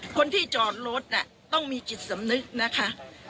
คนที่จอดรถน่ะต้องมีจิตสำนึกนะคะ